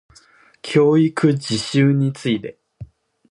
教育実習について